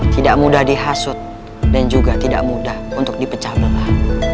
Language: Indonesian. tidak mudah dihasut dan juga tidak mudah untuk dipecah belah